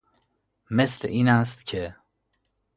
مثل این است که...